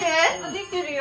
出来てるよ。